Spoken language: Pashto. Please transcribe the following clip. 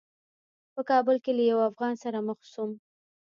په کابل کې له یوه افغان سره مخ شوم.